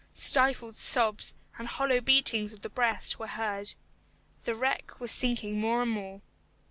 Stifled sobs and hollow beatings of the breast were heard. The wreck was sinking more and more.